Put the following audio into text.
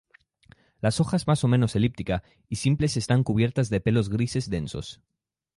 Las hojas más o menos elíptica, y simples están cubiertas de pelos grises densos.